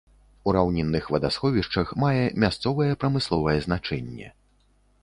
У раўнінных вадасховішчах мае мясцовае прамысловае значэнне.